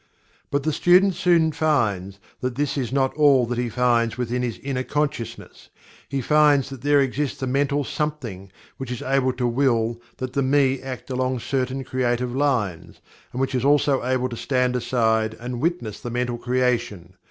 But the student soon finds that this is not all that he finds within his inner consciousness. He finds that there exists a mental Something which is able to Will that the "Me" act along certain creative lines, and which is also able to stand aside and witness the mental creation.